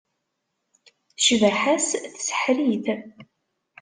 Cbaḥa-s tseḥḥer-it.